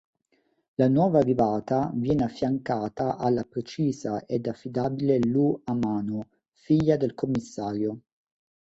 La nuova arrivata viene affiancata alla precisa ed affidabile Lu Amano, figlia del commissario.